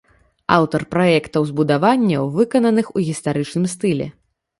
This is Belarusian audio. Аўтар праектаў збудаванняў, выкананых у гістарычным стылі.